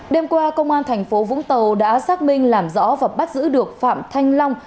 đêm qua công an tp vũng tàu đã xác minh làm rõ và bắt giữ được phạm thanh long